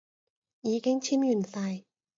已經簽完晒